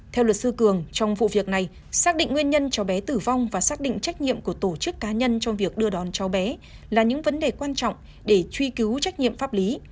theo luật sư cường trong vụ việc này xác định nguyên nhân cháu bé tử vong và xác định trách nhiệm của tổ chức cá nhân trong việc đưa đón cháu bé là những vấn đề quan trọng để truy cứu trách nhiệm pháp lý